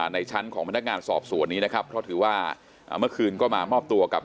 ในชั้นของพนักงานสอบสวนนี้นะครับเพราะถือว่าเมื่อคืนก็มามอบตัวกับ